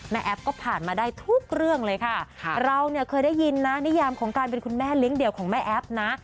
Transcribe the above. แอฟก็ผ่านมาได้ทุกเรื่องเลยค่ะเราเนี่ยเคยได้ยินนะนิยามของการเป็นคุณแม่เลี้ยงเดี่ยวของแม่แอ๊บนะ